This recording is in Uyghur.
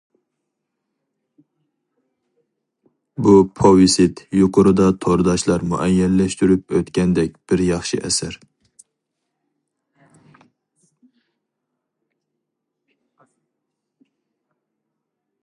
بۇ پوۋېست يۇقىرىدا تورداشلار مۇئەييەنلەشتۈرۈپ ئۆتكەندەك بىر ياخشى ئەسەر.